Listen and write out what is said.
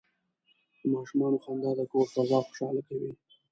د ماشومانو خندا د کور فضا خوشحاله کوي.